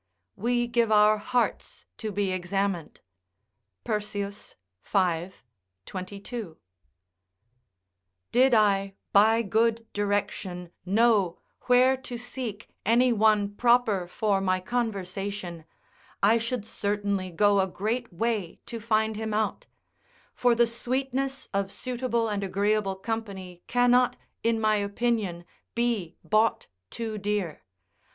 ["We give our hearts to be examined." Persius, V. 22.] Did I, by good direction, know where to seek any one proper for my conversation, I should certainly go a great way to find him out: for the sweetness of suitable and agreeable company cannot; in my opinion, be bought too dear.